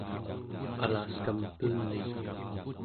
alaskam pelii